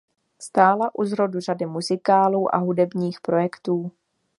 Stála u zrodu řady muzikálů a hudebních projektů.